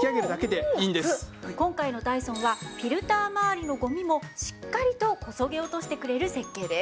今回のダイソンはフィルター周りのゴミもしっかりとこそげ落としてくれる設計です。